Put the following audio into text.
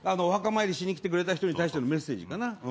お墓参りしにきてくれた人に対してのメッセージかな。